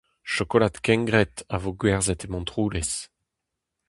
Chokolad kengred a vo gwerzhet e Montroulez.